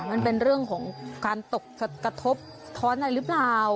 มันเป็นเรื่องของการตกกระทบท้อนอะไรหรือเปล่า